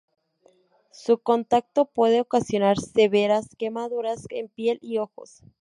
Su contacto puede ocasionar severas quemaduras en piel y ojos.